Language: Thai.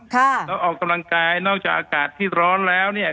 แล้วออกกำลังกายนอกจากอากาศที่ร้อนแล้วเนี่ย